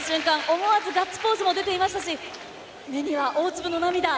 思わずガッツポーズが出ていましたし目には大粒の涙。